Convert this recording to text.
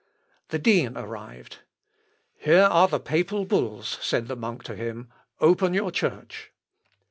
The dean arrived "Here are the papal bulls," said the monk to him, "open your church."